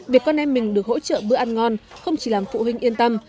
việc con em mình được hỗ trợ bữa ăn ngon không chỉ làm phụ huynh yên tâm